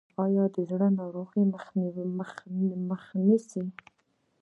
دا د زړه ناروغۍ مخه نیسي.